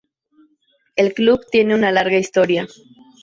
El club tiene una larga historia.